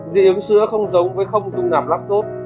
dị ứng sữa không giống với không thu nạp lắc tốt